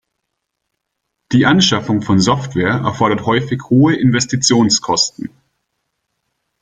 Die Anschaffung von Software erfordert häufig hohe Investitionskosten.